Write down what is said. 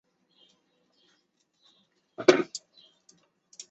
治所在今江西省南城县。